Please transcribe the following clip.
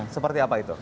seperti apa itu